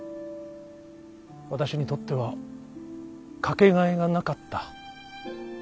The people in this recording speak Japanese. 私にとっては掛けがえがなかった。